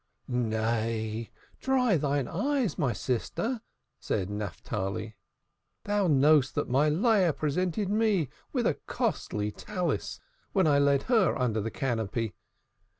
"Nay, dry thine eyes, my sister," said Naphtali. "Thou knowest that my Leah presented me with a costly Talith when I led her under the canopy.